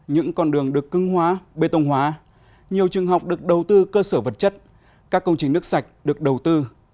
những con đường được cưng hóa bê tông hóa nhiều trường học được đầu tư cơ sở vật chất các công trình nước sạch được đầu tư